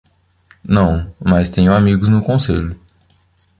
Não, mas tenho amigos no conselho.